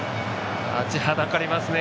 立ちはだかりますね！